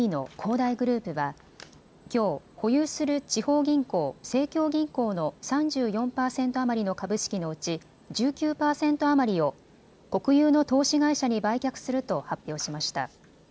大グループはきょう、保有する地方銀行、盛京銀行の３４％余りの株式のうち１９％余りを国有の投資会社に売却すると発表しました。